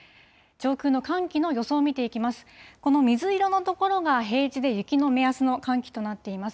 上空の寒気の予想見ていきます。